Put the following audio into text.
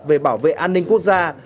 về bảo vệ an ninh quốc gia